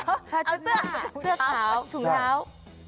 เดี๋ยวเอาเสื้อหาเสื้อขาวถุงขาว